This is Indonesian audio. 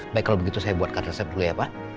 baik kalau begitu saya buatkan resep dulu ya pak